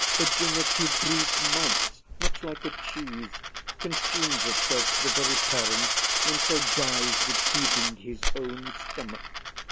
Virginity breeds mites, much like a cheese; consumes itself to the very paring, and so dies with feeding his own stomach.